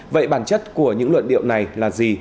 vậy bản chất của những luận điệu này là gì